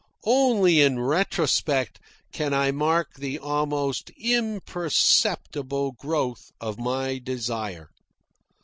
Only in retrospect can I mark the almost imperceptible growth of my desire.